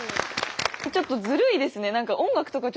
ちょっとずるいですね。